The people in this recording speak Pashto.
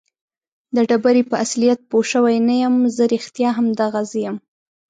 د ډبرې په اصلیت پوه شوی نه یم. زه رښتیا هم دغه زه یم؟